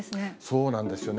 そうなんですよね。